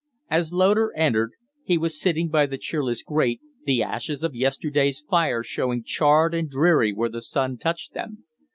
As Loder entered he was sitting by the cheerless grate, the ashes of yesterday's fire showing charred and dreary where the sun touched them.